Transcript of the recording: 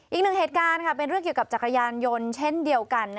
อีกหนึ่งเหตุการณ์เป็นเรื่องเกี่ยวกับจักรยานยนต์เช่นเดียวกัน